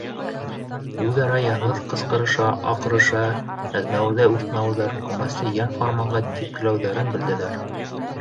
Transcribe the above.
Үҙ-ара йәмһеҙ ҡысҡырыша-аҡырыша әзмәүерҙәй үҫмерҙәр күмәсте йән-фарманға типкеләүҙәрен белделәр.